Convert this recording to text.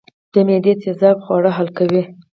د معدې تیزاب خواړه حل کوي